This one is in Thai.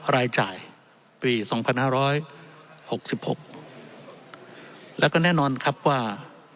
รายจ่ายปีสองพันห้าร้อยหกสิบหกแล้วก็แน่นอนครับว่า